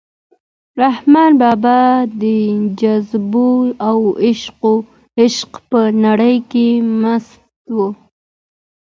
رحمان بابا د جذبو او عشق په نړۍ کې مست و.